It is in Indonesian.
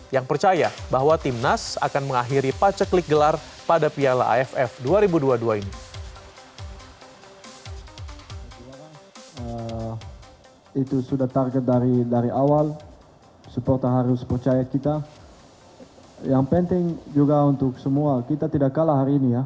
yang percaya bahwa timnas akan mengakhiri paceklik gelar pada piala aff dua ribu dua puluh dua ini